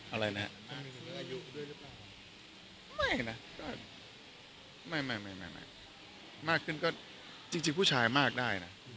อะไรนะไม่นะก็ไม่ไม่ไม่ไม่ไม่มากขึ้นก็จริงจริงผู้ชายมากได้นะ